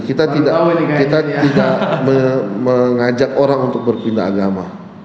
kita tidak mengajak orang untuk berpindah agama